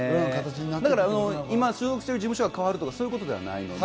だから今、所属してる事務所を変わるとか、そういうことではないので。